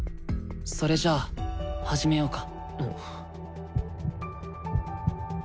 それじゃあ始めようか。